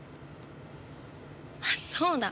あっそうだ。